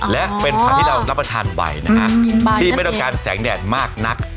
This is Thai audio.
และเป็นผักที่เรารับประทานไปนะฮะที่ไม่ต้องการแสงแดดมากนัก